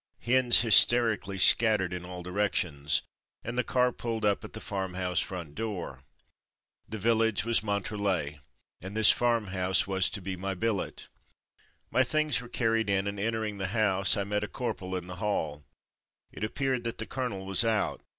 Hens hysterically scattered in all directions, and the car pulled 98 From Mud to Mufti up at the farm house front door. The village was Montrelet, and this farm house was to be my billet. My things were carried in and, entering the house, I met a corporal in the hall. It appeared that the colonel was out.